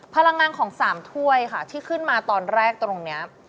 พลังงานของ๓ถ้วยค่ะที่ขึ้นมาตอนแรกตรงนี้